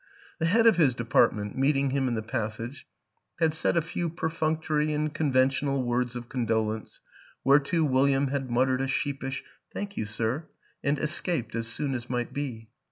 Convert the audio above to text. The head of his department, meeting him in the passage, had said a few perfunctory and conven tional words of condolence whereto William had muttered a sheepish " Thank you, sir," and escaped as soon as might be.